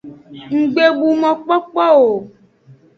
Nggbebu mokpokpo o.